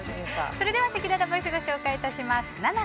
それでは、せきららボイスをご紹介いたします。